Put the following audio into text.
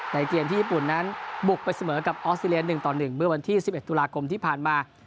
เกมที่ญี่ปุ่นนั้นบุกไปเสมอกับออสเตรเลีย๑ต่อ๑เมื่อวันที่๑๑ตุลาคมที่ผ่านมา